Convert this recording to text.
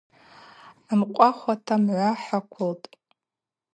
Хӏымкъвахуата мгӏва хӏыквылтӏ.